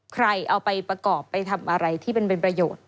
ใครเอาไปประกอบไปทำอะไรที่มันเป็นประโยชน์